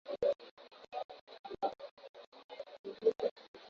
Facia Boyenoh Harris mwanzilishi mwenza wa kikundi cha wanawake wadogo wa Paramount